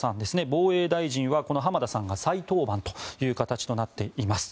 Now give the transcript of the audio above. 防衛大臣は浜田さんが再登板という形になっています。